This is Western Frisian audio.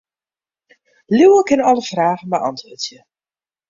Liuwe kin alle fragen beäntwurdzje.